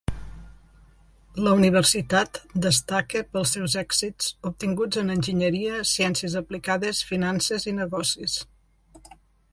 La universitat destaca pels seus èxits obtinguts en enginyeria, ciències aplicades, finances i negocis.